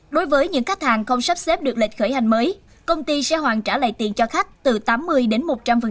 đối với những khách hàng không sắp xếp được lịch khởi hành mới công ty sẽ hoàn trả lại tiền cho khách từ tám mươi đến một trăm linh